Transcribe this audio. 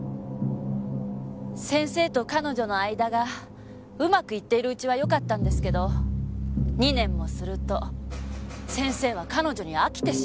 先生と彼女の間がうまくいっているうちはよかったんですけど２年もすると先生は彼女に飽きてしまった。